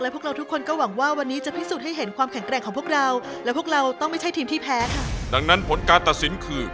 โปรดติดตามตอนต่อไป